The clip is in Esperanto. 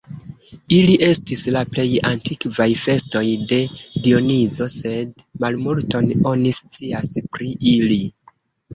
Ili estis la plej antikvaj festoj de Dionizo, sed malmulton oni scias pri ili.